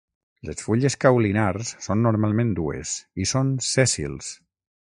Les fulles caulinars són normalment dues i són sèssils.